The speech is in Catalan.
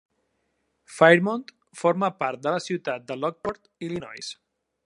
Fairmont forma part de la ciutat de Lockport, Illinois.